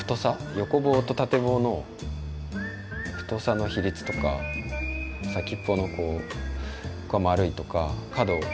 横棒と縦棒の太さの比率とか先っぽのこうここが丸いとか角も丸いとか。